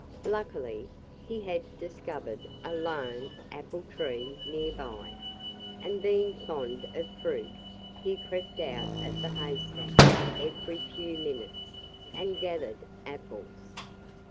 Luckily, he had discovered a lone apple tree near by. And being fond of fruit he crept out of the haystack every few minutes and gathered apples.